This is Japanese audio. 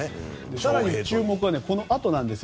更に注目はこのあとなんですよ。